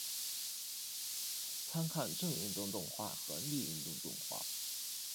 参看正运动动画和逆运动动画。